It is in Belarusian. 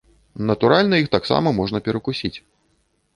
Натуральна, іх таксама можна перакусіць.